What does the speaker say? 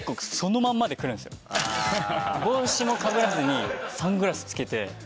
帽子もかぶらずにサングラス着けて。